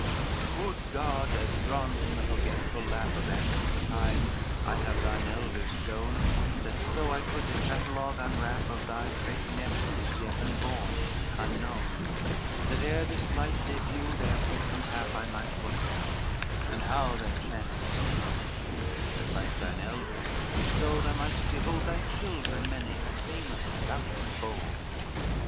LXXXVII "Would God, as drawn from the forgetful lap Of antique time, I have thine elders shown; That so I could the catalogue unwrap Of thy great nephews yet unborn, unknown, That ere this light they view, their fate and hap I might foretell, and how their chance is thrown, That like thine elders so thou mightst behold Thy children, many, famous, stout and bold.